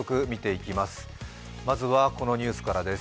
まずはこのニュースからです。